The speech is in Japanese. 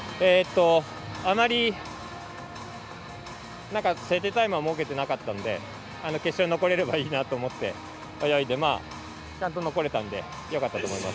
あまり設定タイムは設けてなかったので決勝に残れればいいなと思って泳いでちゃんと残れたんでよかったと思います。